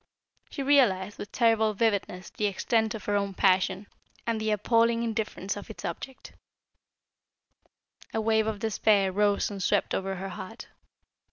She realised with terrible vividness the extent of her own passion and the appalling indifference of its objet. A wave of despair rose and swept over her heart.